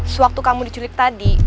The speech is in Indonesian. sewaktu kamu diculik tadi